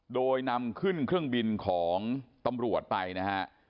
โดยนำขึ้นเครื่องบินของตำรวจไปนะฮะ